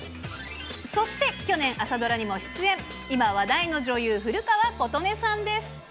そして去年、朝ドラにも出演、今、話題の女優、古川琴音さんです。